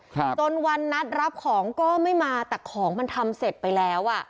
ครับจนวันนัดรับของก็ไม่มาแต่ของมันทำเสร็จไปแล้วอ่ะ